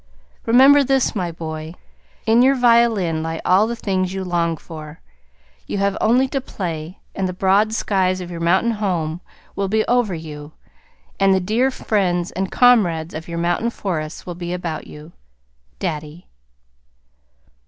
Remember this, my boy, in your violin lie all the things you long for. You have only to play, and the broad skies of your mountain home will be over you, and the dear friends and comrades of your mountain forests will be about you. DADDY.